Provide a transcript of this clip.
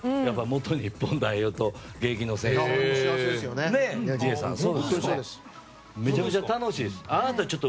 日本代表と現役の選手と。